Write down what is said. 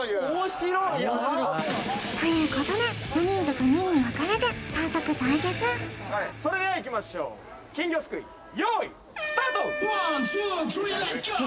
ヤバッということで４人と５人に分かれて早速対決それではいきましょう１２３レッツゴー！